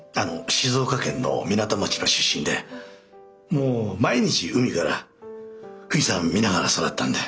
静岡県の港町の出身でもう毎日海から富士山見ながら育ったんで。